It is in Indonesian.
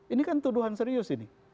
ini kan tuduhan serius ini